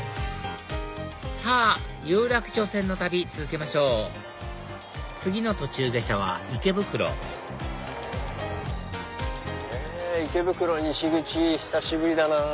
さぁ有楽町線の旅続けましょう次の途中下車は池袋池袋西口久しぶりだなぁ。